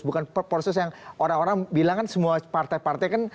bukan proses yang orang orang bilang kan semua partai partai kan